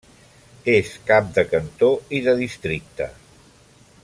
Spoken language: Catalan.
És cap de cantó i de districte.